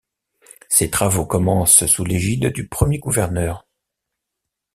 Ces travaux commencent sous l'égide du premier gouverneur.